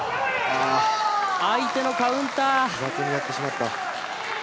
相手のカウンター！